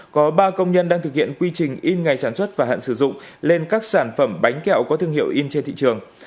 có ba công nhân đang thực hiện quy trình in ngày sản xuất và hạn sử dụng lên các sản phẩm bánh kẹo có thương hiệu in trên thị trường